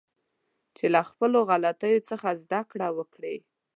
چې له خپلو غلطیو څخه زده کړه وکړه